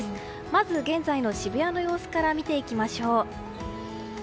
まず現在の渋谷の様子から見ていきましょう。